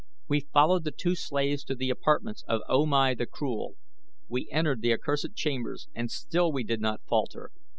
We followed the two slaves to the apartments of O Mai the Cruel. We entered the accursed chambers and still we did not falter.